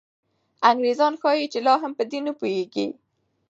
انګریزان ښایي چې لا هم په دې نه پوهېږي.